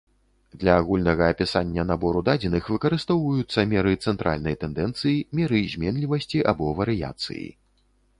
Для агульнага апісання набору дадзеных выкарыстоўваюцца меры цэнтральнай тэндэнцыі, меры зменлівасці або варыяцыі.